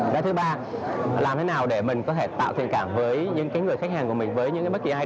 cái thứ ba làm thế nào để mình có thể tạo thuyền cảm với những người khách hàng của mình với những bất kỳ ai